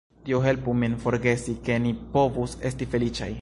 Dio helpu min forgesi, ke ni povus esti feliĉaj!